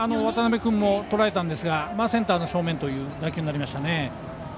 渡辺君もとらえたんですがセンター正面という打球でしたね。